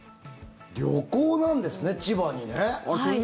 旅行なんですね千葉にね。